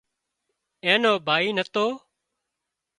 اين نو ڀائي نتو